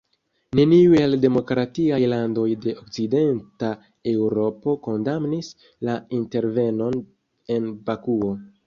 Neniu el demokratiaj landoj de Okcidenta Eŭropo kondamnis la intervenon en Bakuo.